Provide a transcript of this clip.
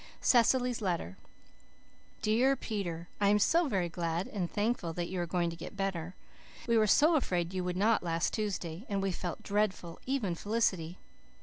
CECILY'S LETTER "DEAR PETER: I am so very glad and thankful that you are going to get better. We were so afraid you would not last Tuesday, and we felt dreadful, even Felicity.